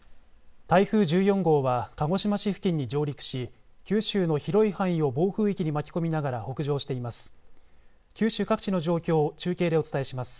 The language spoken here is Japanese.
台風１４号は鹿児島市付近に上陸し九州の広い範囲を暴風域に巻き込みながら北上しています。